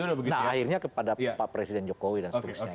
nah akhirnya kepada pak presiden jokowi dan seterusnya